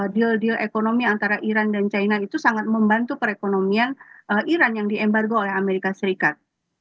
deal deal ekonomi antara iran dan china itu sangat membantu perekonomian iran yang diembargo oleh amerika serikat